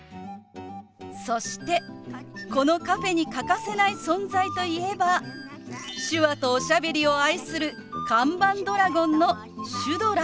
そしてこのカフェに欠かせない存在といえば手話とおしゃべりを愛する看板ドラゴンのシュドラ。